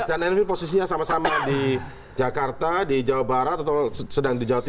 mas dan elvin posisinya sama sama di jakarta di jawa barat atau sedang di jawa timur